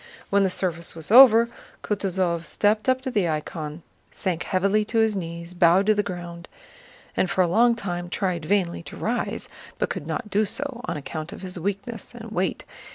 When the service was over, Kutúzov stepped up to the icon, sank heavily to his knees, bowed to the ground, and for a long time tried vainly to rise, but could not do so on account of his weakness and weight.